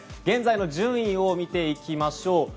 現在の順位を見ていきましょう。